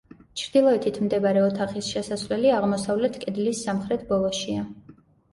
ჩრდილოეთით მდებარე ოთახის შესასვლელი აღმოსავლეთ კედლის სამხრეთ ბოლოშია.